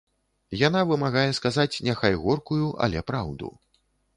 Яна вымагае сказаць няхай горкую, але праўду.